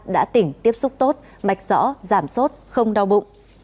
đã tỉnh tiếp xúc tốt mạch rõ giảm sốt không đau bụng